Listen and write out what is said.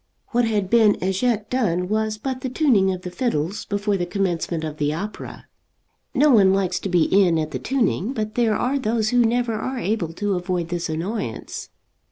What had been as yet done was but the tuning of the fiddles before the commencement of the opera. No one likes to be in at the tuning, but there are those who never are able to avoid this annoyance.